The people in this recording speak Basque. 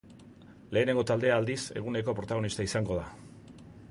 Lehenengo taldea, aldiz, eguneko protagonista izango da.